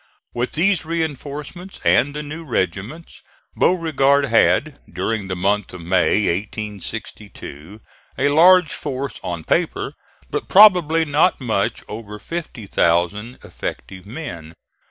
With these reinforcements and the new regiments, Beauregard had, during the month of May, 1862, a large force on paper, but probably not much over 50,000 effective men.